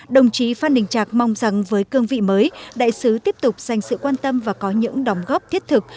đồng chí phan đình trạc mong rằng với cương vị mới đại sứ tiếp tục dành sự quan tâm và có những đóng góp thiết thực